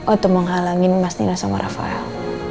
untuk menghalangi mas tino sama rafael